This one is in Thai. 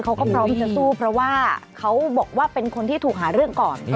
เขาก็พร้อมจะสู้เพราะว่าเขาบอกว่าเป็นคนที่ถูกหาเรื่องก่อน